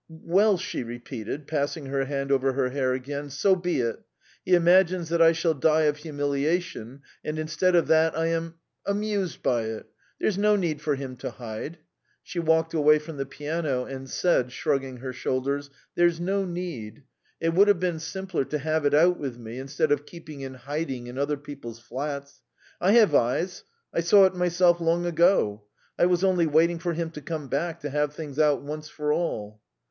"Well," she repeated, passing her hand over her hair again, "so be it. He imagines that I shall die of humiliation, and instead of that I am ... amused by it. There's no need for him to hide." She walked away from the piano and said, shrugging her shoulders: "There's no need. ... It would have been simpler to have it out with me instead of keeping in hiding in other people's flats. I have eyes; I saw it myself long ago. ... I was only waiting for him to come back to have things out once for all."